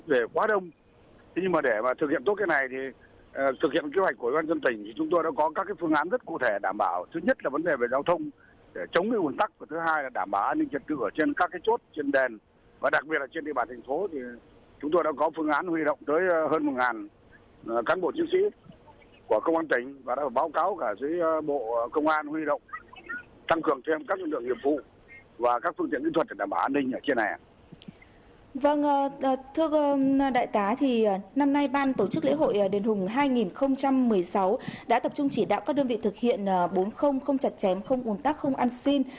vâng thưa đại tá năm nay ban tổ chức lễ hội đền hùng hai nghìn một mươi sáu đã tập trung chỉ đạo các đơn vị thực hiện bốn không chặt chém không ủn tắc không ăn xin